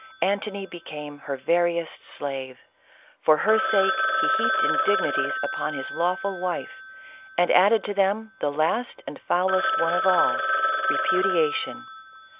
Antony became her veriest slave ; for her sake he heaped indignities upon his lawful wife, and added to them the last and foulest one of all, repudiation.